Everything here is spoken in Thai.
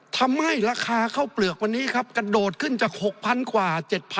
ทำให้ราคาข้าวเปลือกวันนี้ครับกระโดดขึ้นจาก๖๐๐กว่า